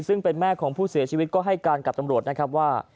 ซึ่งเป็นแม่ของผู้เสียชีวิตก็ให้การกับตำรวจนะครับว่า